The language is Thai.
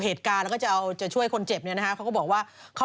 บอกดูแกล้งแกล้งไงไม่รู้คืออะไรหรอ